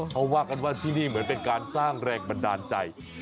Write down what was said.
เขาว่ากันว่าที่นี่เหมือนเป็นการสร้างแรงบันดาลใจ